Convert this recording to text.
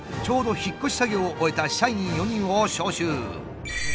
ちょうど引っ越し作業を終えた社員４人を招集。